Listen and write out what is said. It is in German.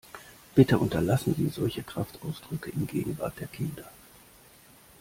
Bitte unterlassen Sie solche Kraftausdrücke in Gegenwart der Kinder!